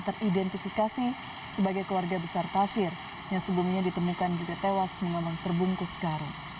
teridentifikasi sebagai keluarga besar tasir yang sebelumnya ditemukan juga tewas mengolong terbungkus karung